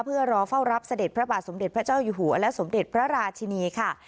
เพื่อรอเฝ้ารับเสด็จพระบาทสมเด็จพระเจ้าอยู่หัวและสมเด็จพระราชินีค่ะ